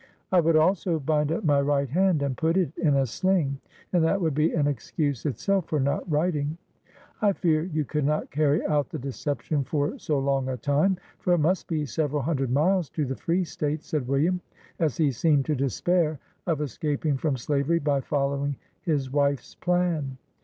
"I would also bind up my right hand and put it in a sling, and that would be an excuse itself for not writing." "I fear you could not carry out the deception for so long a time, for it must be several hundred miles to the free States," said William, as he seemed to despair of escaping from slavery by following his wife ? s plan.